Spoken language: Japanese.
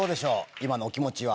今のお気持ちは。